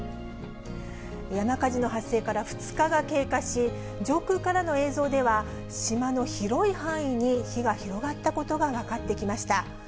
山火事の発生から２日が経過し、上空からの映像では、島の広い範囲に火が広がったことが分かってきました。